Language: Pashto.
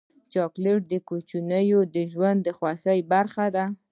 چاکلېټ د کوچني ژوند د خوښۍ برخه ده.